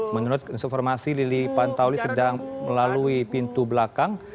menurut informasi lili pantauli sedang melalui pintu belakang